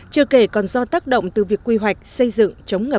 chưa kể còn do tác động từ việc quy hoạch xây dựng